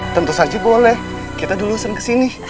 tentu saja boleh kita dulu sering kesini